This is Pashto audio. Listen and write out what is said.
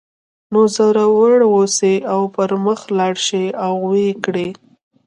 نو زړور اوسئ او پر مخ لاړ شئ او ویې کړئ